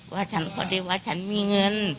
ว่าฉันพอดีว่าฉันมีเงิน